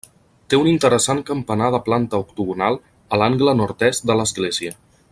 Té un interessant campanar de planta octogonal a l'angle nord-est de l'església.